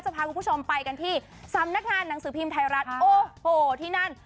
พาคุณผู้ชมไปกันที่สำนักงานหนังสือพิมพ์ไทยรัฐโอ้โหที่นั่น